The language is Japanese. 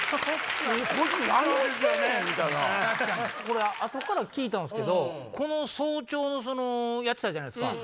これ後から聞いたんすけど早朝のやってたじゃないですか。